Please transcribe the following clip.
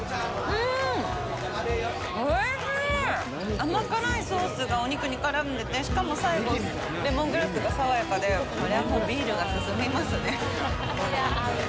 甘辛いソースがお肉に絡んでて、しかも、最後、レモングラスが爽やかで、これは、もうビールが進みますね。